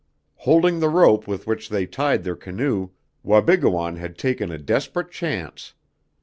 Holding the rope with which they tied their canoe, Wabigoon had taken a desperate chance.